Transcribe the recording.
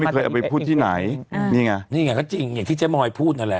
เป็นพี่พี่ก็ไม่พูดหรอก